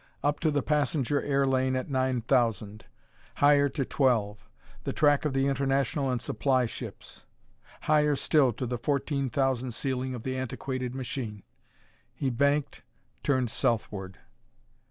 Up to the passenger air lane at nine thousand: higher to twelve, the track of the international and supply ships; higher still, to the fourteen thousand ceiling of the antiquated machine. He banked, turned southward.